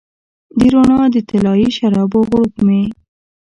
د روڼا د طلایې شرابو غوړپ مې